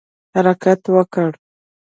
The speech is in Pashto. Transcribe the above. حرکت وکړه